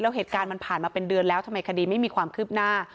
แล้วเหตุการณ์มันผ่านมาเป็นเดือนแล้วทำไมคดีไม่มีความคืบหน้า